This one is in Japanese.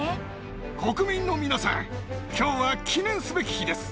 国民の皆さん、きょうは記念すべき日です。